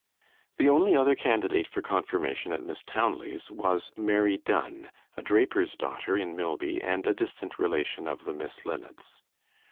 The only other candidate for confirmation at Miss Townley's was Mary Dunn, a draper's daughter in Milby and a distant relation of the Miss Linnets.